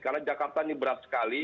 karena jakarta ini berat sekali